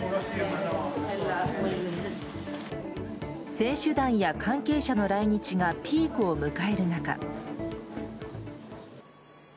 選手団や関係者の来日がピークを迎える中。